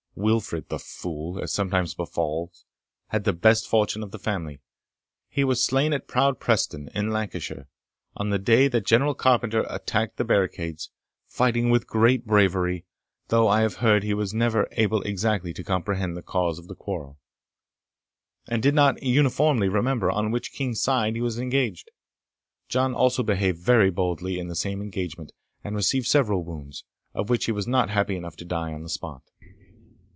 Wilfred the fool, as sometimes befalls, had the best fortune of the family. He was slain at Proud Preston, in Lancashire, on the day that General Carpenter attacked the barricades, fighting with great bravery, though I have heard he was never able exactly to comprehend the cause of quarrel, and did not uniformly remember on which king's side he was engaged. John also behaved very boldly in the same engagement, and received several wounds, of which he was not happy enough to die on the spot.